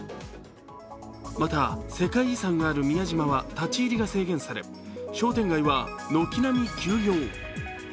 また、世界遺産がある宮島は立ち入りが制限され商店街は軒並み休業。